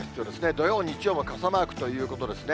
土曜、日曜も傘マークということですね。